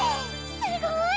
すごーい！